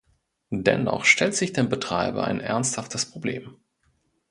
Dennoch stellt sich dem Betreiber ein ernsthaftes Problem.